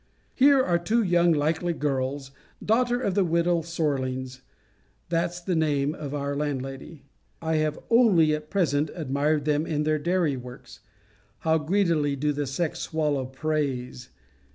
Here are two young likely girls, daughters of the widow Sorlings; that's the name of our landlady. I have only, at present, admired them in their dairy works. How greedily do the sex swallow praise!